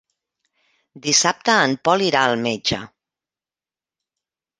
Dissabte en Pol irà al metge.